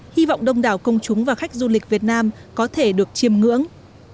hy vọng đông đảo công chúng và khách du lịch việt nam có thể được chiêm ngưỡng